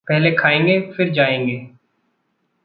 पहले खाएंगे, फिर जाएंगे।